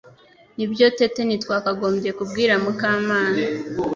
Nibyo Tete ntitwakagombye kubwira Mukamana